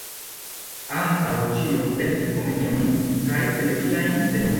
Antaŭ ĉio verkis komediojn kaj televidajn seriojn.